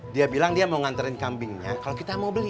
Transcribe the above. dia bilang dia mau ngantarin kambingnya kalau kita mau beli